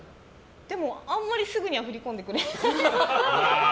でも、あんまりすぐには振り込んでくれない。